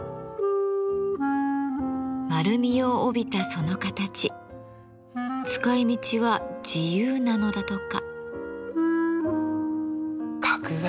丸みを帯びたその形使い道は自由なのだとか。